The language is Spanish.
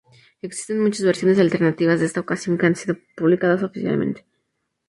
Existen muchas versiones alternativas de esta canción que han sido publicadas oficialmente.